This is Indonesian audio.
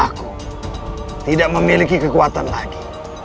aku tidak memiliki kekuatan lagi